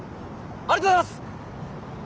ありがとうございます！